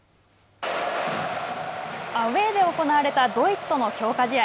アウェーで行われたドイツとの強化試合。